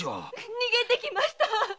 逃げてきました。